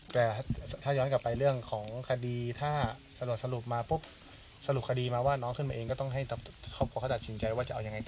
แต่ถ้าย้อนกลับไปเรื่องของคดีถ้าสรุปมาปุ๊บสรุปคดีมาว่าน้องขึ้นมาเองก็ต้องให้เขาตัดสินใจว่าจะเอายังไง